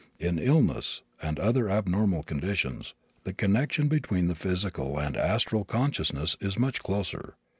In illness, and other abnormal conditions, the connection between the physical and astral consciousness is much closer.